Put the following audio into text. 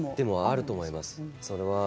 あると思います。